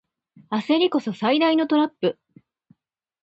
焦りこそ最大のトラップ